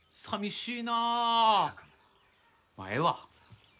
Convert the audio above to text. まあええわ。